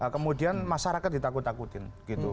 kemudian masyarakat ditakut takutin